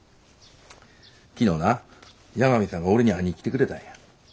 昨日な八神さんが俺に会いに来てくれたんや。